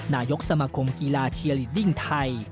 นายกสมาคมกีฬาเชียร์ลีดดิ้งไทย